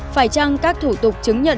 phải chăng các thủ tục chứng nhận